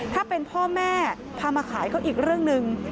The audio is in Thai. ถ้าเป็นพ่อแม่พามาขายก็อีกเรื่องหนึ่ง